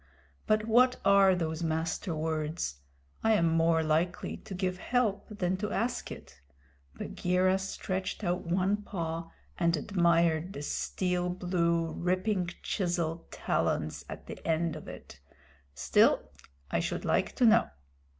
But what are those Master Words? I am more likely to give help than to ask it" Bagheera stretched out one paw and admired the steel blue, ripping chisel talons at the end of it "still I should like to know."